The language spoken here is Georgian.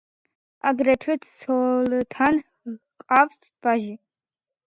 აგრეთვე ცოლთან ჰყავს ვაჟი.